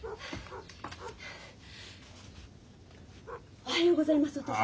おはようございますお義父様。